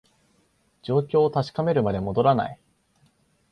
状況を確かめるまで戻らない